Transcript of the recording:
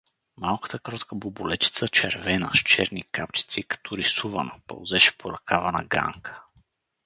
Малката кротка буболечица, червена, с черни капчици, като рисувана, пълзеше по ръкава на Ганка.